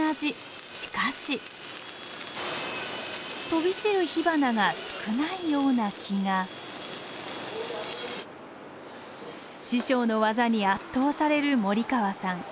飛び散る火花が少ないような気が師匠の技に圧倒される森川さん。